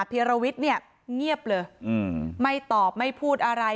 เพียรวิตเนี่ยเงียบเลยอืมไม่ตอบไม่พูดอะไร